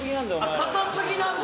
堅すぎなんだ？